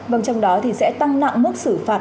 vâng trong đó thì sẽ tăng nặng mức xử phạt